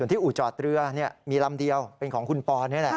ส่วนที่อุจจอดเรือเนี่ยมีลำเดียวเป็นของคุณบอลเนี่ยแหละ